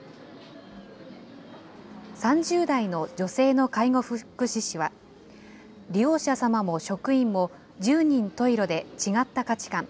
３０代の女性の介護福祉士は、利用者様も職員も十人十色で違った価値観。